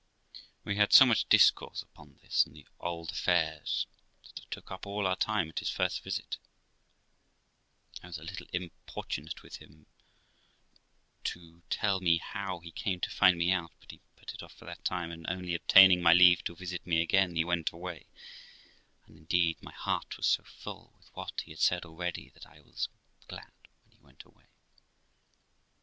We had so much discourse upon this and the old affairs that it took up all our time at his first visit. I was a little importunate with him to tell me how he came to find me out, but he put it off for that time, and only obtaining my leave to visit me again, he went away ; and indeed my heart was so full with what he had said already that I was glad when he went away.